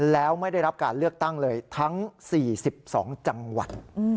แล้วไม่ได้รับการเลือกตั้งเลยทั้ง๔๒จังหวัด